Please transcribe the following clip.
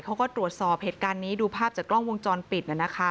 เขาก็ตรวจสอบเหตุการณ์นี้ดูภาพจากกล้องวงจรปิดนะคะ